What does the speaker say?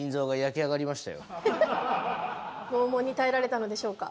はい拷問に耐えられたのでしょうか？